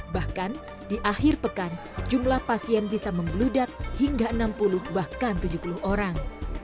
bahkan di akhir pekan jumlah pasien bisa membeludak hingga enam puluh bahkan tujuh puluh orang